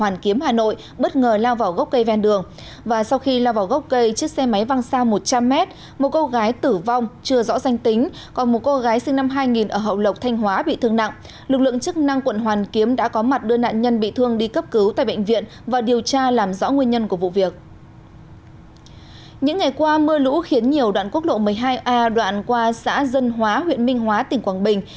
những ngày qua mưa lũ khiến nhiều đoạn quốc lộ một mươi hai a đoạn qua xã dân hóa huyện minh hóa tỉnh quảng bình